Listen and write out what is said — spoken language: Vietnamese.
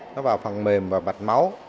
nó vào phần mềm và bạch máu